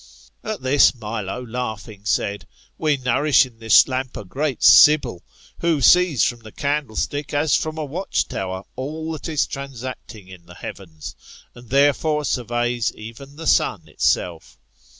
^ At ^his, Milo laughing, said, We nourish in this lamp a great Sibyl, who sees from the candlestick, as from a watchtower, all that is transacting in the heavens ; and therefore, surveys even the sun itself.